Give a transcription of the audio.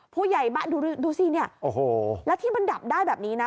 ผู้ใหญ่ดูสิเนี่ยแล้วที่มันดับได้แบบนี้นะ